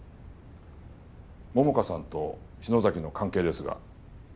桃花さんと篠崎の関係ですが。